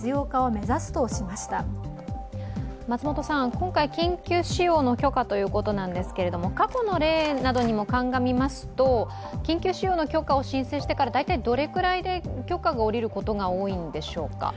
今回、緊急使用の許可ということなんですけれども、過去の例などにも鑑みますと緊急使用の許可を申請してから、どれくらいで許可が下りることが多いんでしょうか？